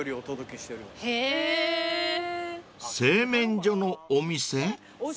［製麺所のお店？］